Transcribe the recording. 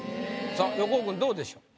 さあ横尾くんどうでしょう？